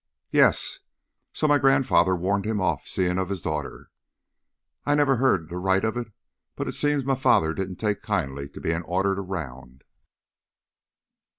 "Yes. So my grandfather warned him off seein' his daughter. I never heard the rights of it, but it seems m' father didn't take kindly to bein' ordered around."